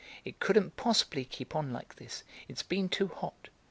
It couldn't possibly keep on like this, it's been too hot.